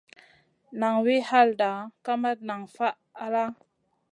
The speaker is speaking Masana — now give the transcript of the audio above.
Naŋ wi halda, kamat nan faʼ halla.